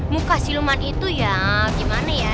muka siluman itu ya gimana ya